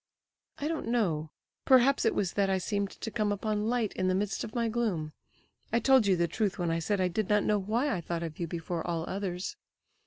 "I don't know. Perhaps it was that I seemed to come upon light in the midst of my gloom. I told you the truth when I said I did not know why I thought of you before all others.